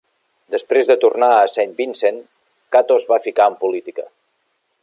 Després de tornar a Saint Vincent, Cato es va ficar en política.